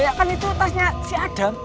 ya kan itu tasnya si adam